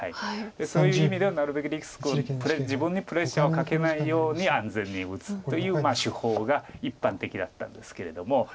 そういう意味ではなるべくリスクを自分にプレッシャーをかけないように安全に打つという手法が一般的だったんですけれども。